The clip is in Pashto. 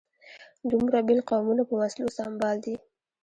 دومره بېل قومونه په وسلو سمبال دي.